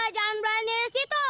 jangan berani disitu